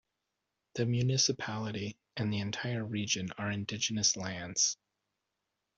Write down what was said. The municipality and the entire region are indigenous lands.